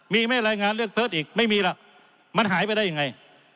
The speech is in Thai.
มีไหมรายงานเรียกเพิศอีกไม่มีล่ะมันหายไปได้ยังไง